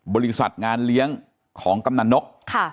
บริษัทงานเลี้ยงของกำนันนก